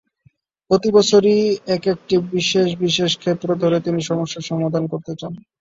প্রতিবছরই একেকটি বিশেষ বিশেষ ক্ষেত্র ধরে তিনি সমস্যার সমাধান করতে চান।